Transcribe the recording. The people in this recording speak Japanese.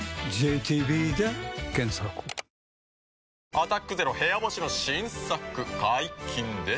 「アタックＺＥＲＯ部屋干し」の新作解禁です。